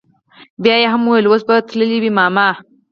بيا يې هم وويل اوس به تلي وي ماما.